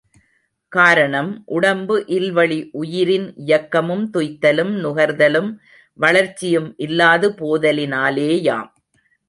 காரணம், உடம்பு இல்வழி உயிரின் இயக்கமும் துய்த்தலும் நுகர்தலும் வளர்ச்சியும் இல்லாது போதலினாலேயாம்.